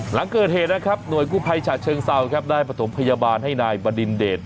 หลังเกิดเหตุนะครับหน่วยกู้ภัยฉะเชิงเซาครับได้ประถมพยาบาลให้นายบดินเดช